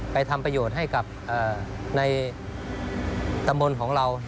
ทำประโยชน์ให้กับในตำบลของเรา